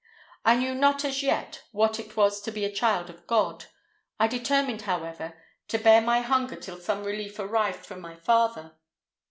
I knew not as yet what it was to be a child of God. I determined, however, to bear my hunger till some relief arrived from my father.